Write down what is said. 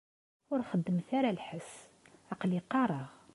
Ur xeddmet ara lḥess. Aql-i qqareɣ.